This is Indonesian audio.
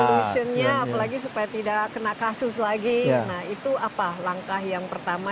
polusionnya apalagi supaya tidak kena kasus lagi nah itu apa langkah yang pertama